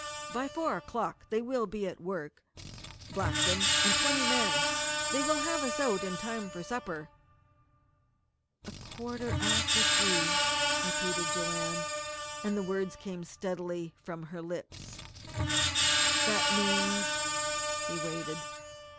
"By four o'clock they will be at work Blackton and twenty men. They will have us out in time for supper." "A quarter after three," repeated Joanne, and the words came steadily from her lips. "That means " He waited.